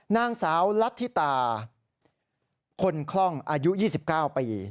นางสาวลัทธิตาคนคล่องอายุ๒๙ปี